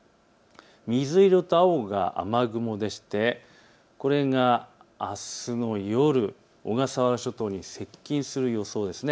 水色と青が雨雲でして、これがあすの夜、小笠原諸島に接近する予想です。